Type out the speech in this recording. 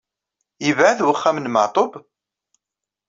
Yebɛed uxxam n Maɛṭub?